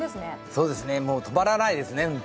そうですね、もう止まらないですね、ほんと。